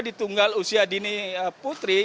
di tunggal usia dini putri